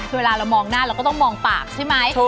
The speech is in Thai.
คือเวลาเรามองหน้าเราก็ต้องมองปากใช่ไหม